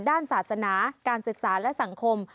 ด้านศาสนาการศึกษาและสังคม